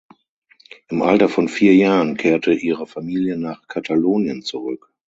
Im Alter von vier Jahren kehrte ihre Familie nach Katalonien zurück.